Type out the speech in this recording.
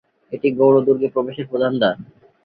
এটি গৌড় দুর্গে প্রবেশের প্রধান দ্বার।